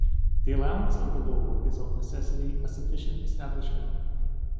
The allowance of the law is of necessity a sufficient establishment.